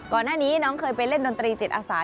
ก่อนหน้านี้น้องเคยไปเล่นดนตรีจิตอาสา